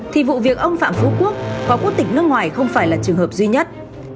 thì vụ việc ông phạm phú quốc có quốc tịch nước ngoài không phải là trường hợp duy nhất